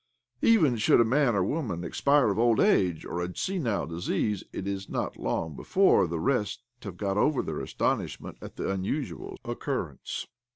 Even should a man or a woman expire of old age or a senile disease, it is not long before the rest have got over their astonishment at the imusual occurrence.